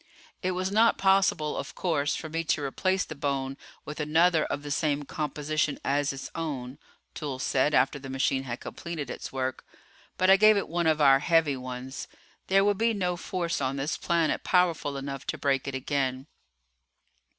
"It was not possible, of course, for me to replace the bone with another of the same composition as its own," Toolls said, after the machine had completed its work. "But I gave it one of our 'heavy' ones. There will be no force on this planet powerful enough to break it again."